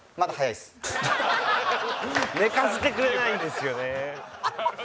寝かせてくれないんですよね。